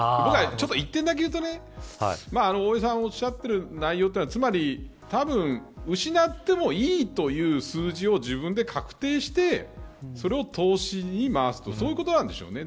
一点だけ言うと大江さんがおっしゃっている内容は、つまり失ってもいいという数字を自分で確定してそれを投資に回すとそういうことなんですよね。